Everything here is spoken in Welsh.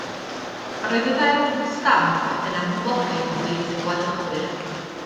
Roedd y Ddeddf Stamp yn amhoblogaidd ymhlith y gwladychwyr.